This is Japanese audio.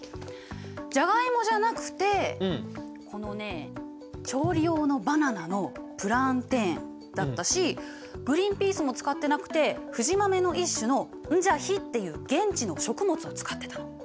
ジャガイモじゃなくてこのね調理用のバナナのプランテンだったしグリンピースも使ってなくてフジマメの一種のンジャヒっていう現地の食物を使ってたの。